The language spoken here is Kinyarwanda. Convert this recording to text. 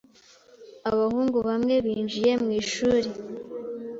Abahungu bamwe binjiye mwishuri.